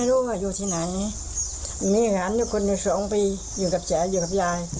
ดูอยากให้หลานกลายปรากฏแล้วหมบ